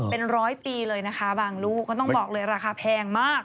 เป็นร้อยปีเลยนะคะบางลูกก็ต้องบอกเลยราคาแพงมาก